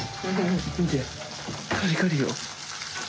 見てカリカリよ。